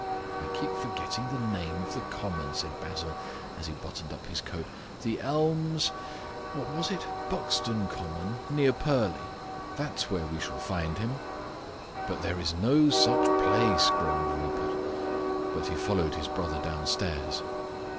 "I keep forgetting the name of the common," said Basil, as he buttoned up his coat. "The Elms what is it? Buxton Common, near Purley. That's where we shall find him." "But there is no such place," groaned Rupert; but he followed his brother downstairs.